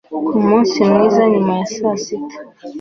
umunsi mwiza nyuma ya saa sita